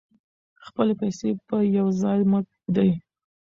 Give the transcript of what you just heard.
خپلې پیسې په یو ځای مه ږدئ.